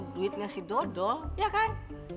duit ngasih dodol ya kan